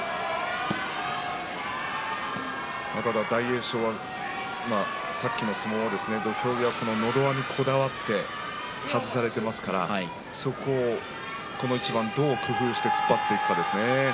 ただ大栄翔はさっきの相撲、土俵際のど輪にこだわって外されていますからそこをこの一番どう工夫して突っ張っていくかですね。